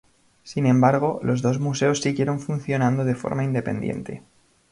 Sin embargo, los dos museos siguieron funcionando de forma independiente.